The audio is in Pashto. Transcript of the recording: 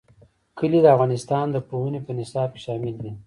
کلي د افغانستان د پوهنې نصاب کې شامل دي.